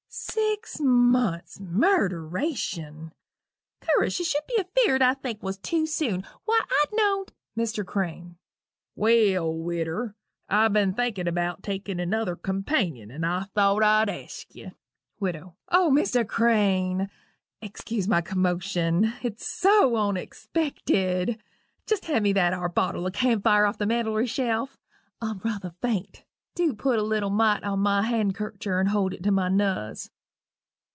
Six months Murderation! Curus you should be afeered I'd think't was tew soon why, I've know'd " MR. CRANE. "Well, widder I've been thinking about taking another companion and I thought I'd ask you " WIDOW. "O, Mr. Crane, egscuse my commotion, it's so onexpected. Jest hand me that are bottle of camfire off the mantletry shelf I'm ruther faint dew put a little mite on my handkercher and hold it to my nuz.